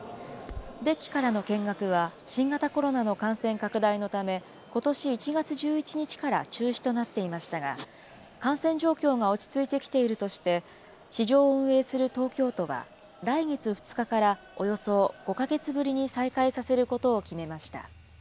デッキからの見学は、新型コロナの感染拡大のため、ことし１月１１日から中止となっていましたが、感染状況が落ち着いてきているとして、市場を運営する東京都は、来月２日からおよそ５か月ぶりに再開させることを決めました。